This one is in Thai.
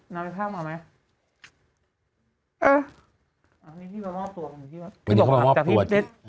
น้ำอีกภาพมาไหมเอออันนี้พี่มามอบตัวพี่บอกว่า